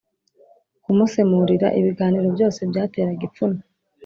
Kumusemurira ibiganiro byose byateraga ipfunwe